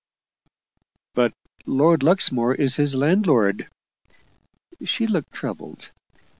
"But Lord Luxmore is his landlord." She looked troubled.